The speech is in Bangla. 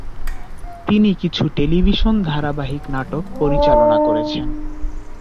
তিনি কিছু টেলিভিশন ধারাবাহিক নাটক পরিচালনা করেছেন।